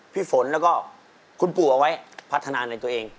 พี่ฝนแล้วก็คุณปู่เอาไว้พัฒนาในตัวเอง